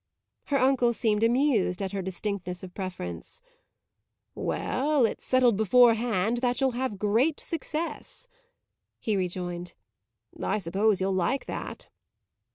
Her uncle seemed amused at her distinctness of preference. "Well, it's settled beforehand that you'll have great success," he rejoined. "I suppose you'll like that."